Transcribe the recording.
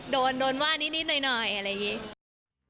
โดนว่านิดหน่อยอะไรอย่างนี้